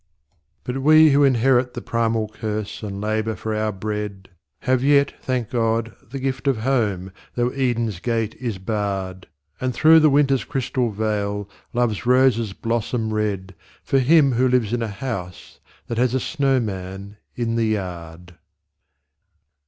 But we who inherit the primal curse, and labour for our bread, Have yet, thank God, the gift of Home, though Eden's gate is barred: And through the Winter's crystal veil, Love's roses blossom red, For him who lives in a house that has a snowman in the yard.